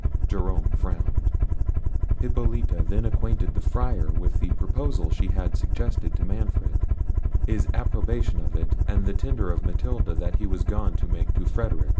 Jerome frowned. Hippolita then acquainted the Friar with the proposal she had suggested to Manfred, his approbation of it, and the tender of Matilda that he was gone to make to Frederic.